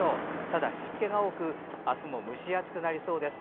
ただ湿気が多く明日も蒸し暑くなりそうです。